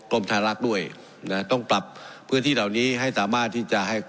ไทยรัฐด้วยนะต้องปรับพื้นที่เหล่านี้ให้สามารถที่จะให้